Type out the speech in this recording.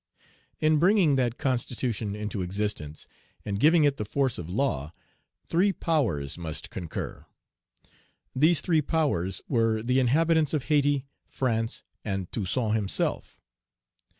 In bringing that constitution into existence, and giving it the force of law, three powers must concur. These three powers were the inhabitants of Hayti, France, and Toussaint himself.